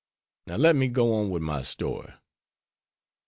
Now, let me go on wid my story.